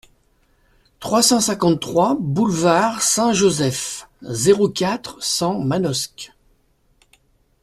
trois cent cinquante-trois boulevard Saint-Joseph, zéro quatre, cent, Manosque